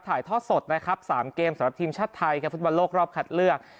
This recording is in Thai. ถ่ายทอดสดนะครับ๓เกมสำหรับทีมชาติไทยครับฟุตบอลโลกรอบคัดเลือก